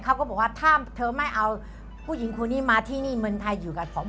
เขาก็บอกว่าถ้าเธอไม่เอาผู้หญิงคนนี้มาที่นี่เมืองไทยอยู่กับผม